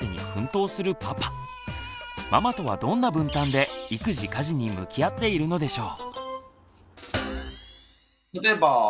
ママとはどんな分担で育児・家事に向き合っているのでしょう？